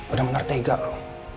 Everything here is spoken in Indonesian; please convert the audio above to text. udah menertega loh